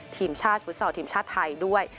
ทีมชาติฟุตซอลทีมชาติไทยด้วย